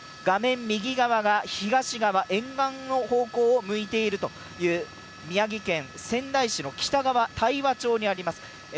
画面右側が東側、沿岸の方向を向いているという宮城県仙台市の北側大和町にあります